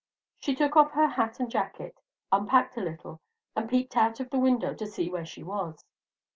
She took off her hat and jacket, unpacked a little, and peeped out of the window to see where she was.